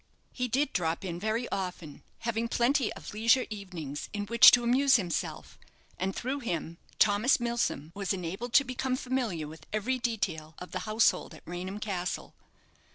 He did drop in very often, having plenty of leisure evenings in which to amuse himself; and through him Thomas Milsom was enabled to become familiar with every detail of the household at Raynham Castle.